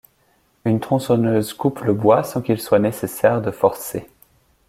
Une tronçonneuse coupe le bois sans qu'il soit nécessaire de forcer.